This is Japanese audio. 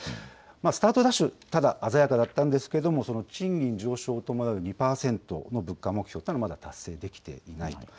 スタートダッシュ、ただ鮮やかだったんですけれども、その賃金上昇を伴う２％の物価目標というのは、まだ達成できていないと。